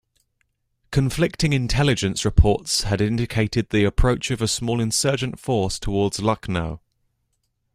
Conflicting intelligence reports had indicated the approach of a small insurgent force towards Lucknow.